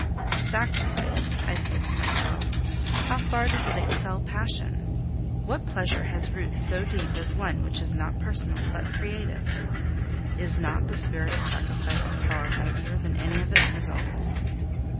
Sacrifice! I said to myself, how far does it excel passion! What pleasure has roots so deep as one which is not personal but creative? Is not the spirit of Sacrifice a power mightier than any of its results?